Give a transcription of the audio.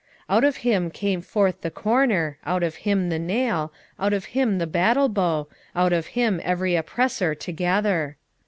10:4 Out of him came forth the corner, out of him the nail, out of him the battle bow, out of him every oppressor together.